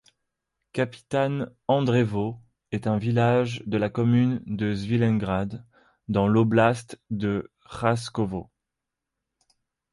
Kapitan Andreevo est un village de la commune de Svilengrad, dans l'oblast de Khaskovo.